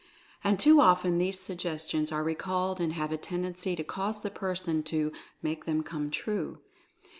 And too often these suggestions are recalled and have a tend ency to cause the person to "make them come true."